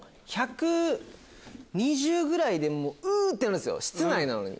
１２０ぐらいでう！ってなるんす室内なのに。